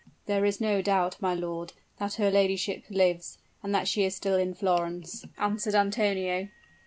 "There is no doubt, my lord, that her ladyship lives, and that she is still in Florence," answered Antonio.